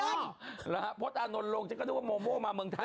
หรอครับพลอดอานนท์ลงฉันก็นึกว่าโมโมมาเมืองไทย